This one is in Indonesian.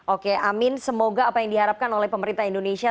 oke amin semoga apa yang diharapkan oleh pemerintah indonesia